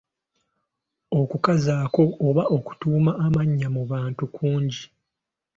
Okukazaako oba okutuuma amannya mu bantu kungi.